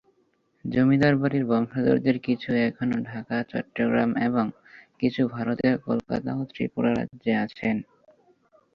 জমিদার বাড়ির বংশধরদের কিছু এখনো ঢাকা, চট্টগ্রাম এবং কিছু ভারতের কলকাতা ও ত্রিপুরা রাজ্যে আছেন।